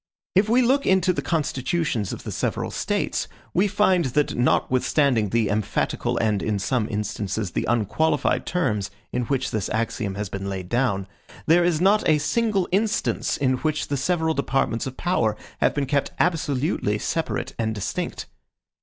If we look into the constitutions of the several States, we find that, notwithstanding the emphatical and, in some instances, the unqualified terms in which this axiom has been laid down, there is not a single instance in which the several departments of power have been kept absolutely separate and distinct.